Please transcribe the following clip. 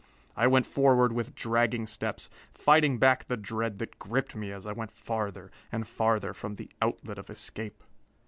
I went forward with dragging steps, fighting back the dread that gripped me as I went farther and farther from the outlet of escape.